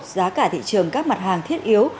giá cả thị trường các mặt hàng thiết yếu